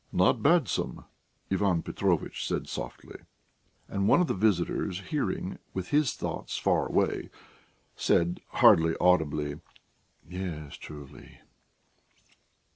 "Not badsome ..." Ivan Petrovitch said softly. And one of the visitors hearing, with his thoughts far away, said hardly audibly: "Yes ... truly...."